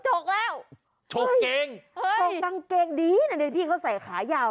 โฉลต่างเกงดีเคยใส่ขายาว